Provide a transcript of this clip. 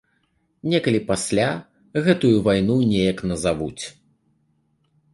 Некалі пасля, гэтую вайну неяк назавуць.